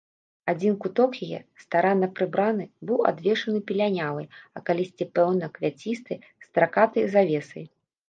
Адзін куток яе, старанна прыбраны, быў адвешаны палінялай, а калісьці, пэўна, квяцістай, стракатай завесай.